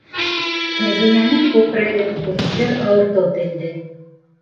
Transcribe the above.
Мәҙинәнең күкрәген үткер ауыртыу телде.